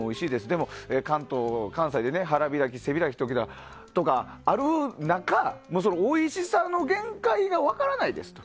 でも、関東、関西で腹開き、背開きとかある中おいしさの限界が分からないですと。